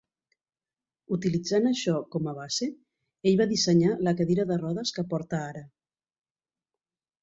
Utilitzant això com a base, ell va dissenyar la cadira de rodes que porta ara.